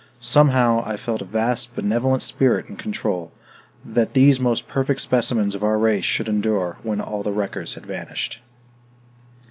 Somehow I felt some vast benevolent spirit in control, that these most perfect specimens of our race should endure when all the wreckers had vanished.